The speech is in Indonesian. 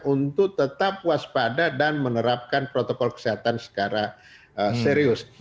untuk tetap waspada dan menerapkan protokol kesehatan secara serius